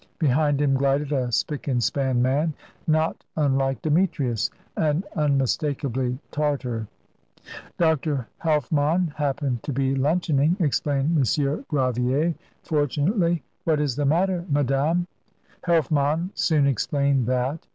Behind him glided a spick and span man, not unlike Demetrius, and unmistakably Tartar. "Dr. Helfmann happened to be luncheoning," explained M. Gravier, "fortunately. What is the matter, madame?" Helfmann soon explained that.